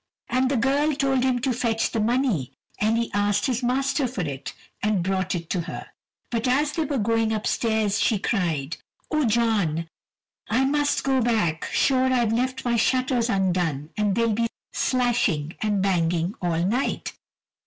And the girl told him to fetch her the money, and he asked his master for it, and brought it to her. But as they were going upstairs, she cried, "O John, I must go back, sure I've left my shutters undone, and they'll be slashing and banging all night."